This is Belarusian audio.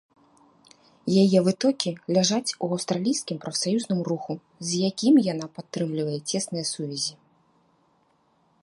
Яе вытокі ляжаць у аўстралійскім прафсаюзным руху, з якім яна падтрымлівае цесныя сувязі.